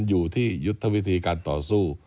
อยู่ในยุทธวงวิถีการต่อสู้